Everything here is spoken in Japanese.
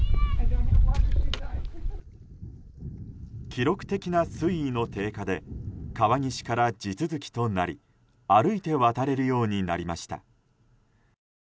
記録的な水位の低下で川岸から地続きとなり歩いて渡れるようになりました。